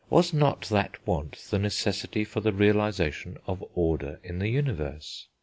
Was not that want the necessity for the realisation of order in the universe?